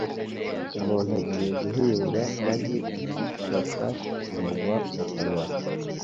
Umuntu agiye guhinga maze mu ihinga igitaka kimugwa mu kanwa,